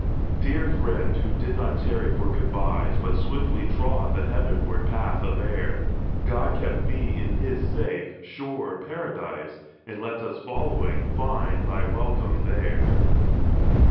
Dear friend, who did not tarry for good byes But swiftly trod the heavenward path of air, God keep thee in His safe, sure Paradise, And let us, following, find thy welcome there.